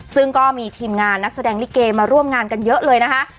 ซึ่งก็มีทีมงานนักแสดงลิเกมาร่วมงานกันเยอะเลยนะคะ